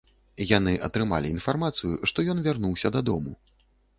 Яны атрымалі інфармацыю, што ён вярнуўся дадому.